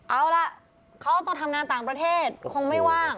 เอาล่ะเขาต้องทำงานต่างประเทศคงไม่ว่าง